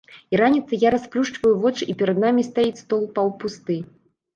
І раніцай я расплюшчваю вочы і перад намі стаіць стол паўпусты.